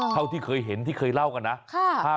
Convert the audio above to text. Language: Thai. เท่าที่เคยเห็นที่เคยเล่ากันนะ